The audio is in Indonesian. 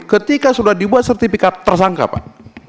ketika sudah dibuat sertifikat tersangka pak